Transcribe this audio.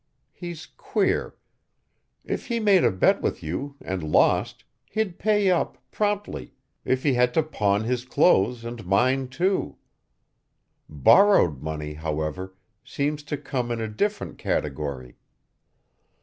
He's queer. If he made a bet with you and lost he'd pay up promptly, if he had to pawn his clothes and mine too. Borrowed money, however, seems to come in a different category.